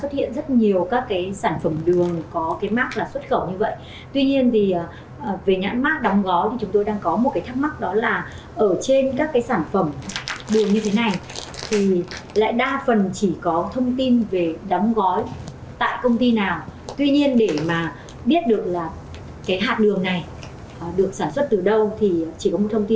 thì nếu như các quản lý nhà nước mà có kiểm tra cũng như là xử lý xử phạt